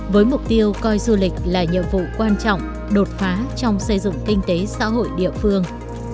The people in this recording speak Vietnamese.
với mục tiêu coi du lịch là nhiệm vụ quan trọng đột phá trong xây dựng kinh tế xã hội địa phương